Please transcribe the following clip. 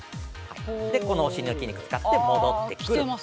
このお尻の筋肉を使って戻ってくる。